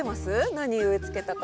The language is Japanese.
何植えつけたか。